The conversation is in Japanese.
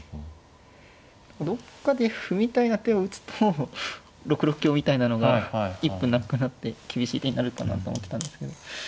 どっかで歩みたいな手を打つと６六香みたいなのが一歩なくなって厳しい手になるかなとは思ってたんですけど。